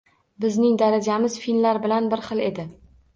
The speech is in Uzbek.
Bizning darajamiz finlar bilan bir xil edi